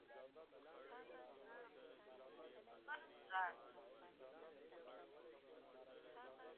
ازادي راډیو د د ښځو حقونه لپاره عامه پوهاوي لوړ کړی.